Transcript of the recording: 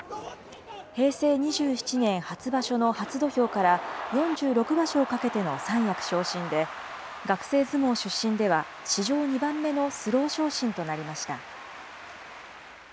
平成２７年初場所の初土俵から４６場所をかけての三役昇進で、学生相撲出身では、史上２番目のスロー昇進となりました。